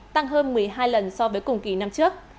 tăng hơn một mươi hai lần so với cùng kỳ năm trước